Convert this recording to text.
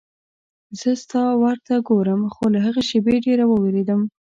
زه ستا ور ته ګورم خو له هغې شېبې ډېره وېرېدم.